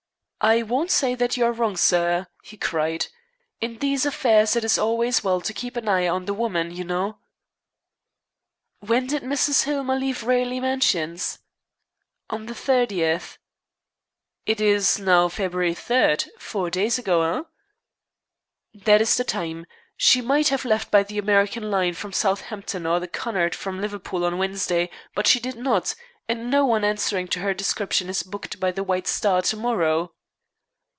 "I won't say that you are wrong, sir," he cried. "In these affairs it is always well to keep an eye on the woman, you know." "When did Mrs. Hillmer leave Raleigh Mansions?" "On the 30th." "It is now February 3. Four days ago, eh?" "That is the time. She might have left by the American line from Southampton or the Cunard from Liverpool on Wednesday, but she did not, and no one answering to her description is booked by the White Star to morrow."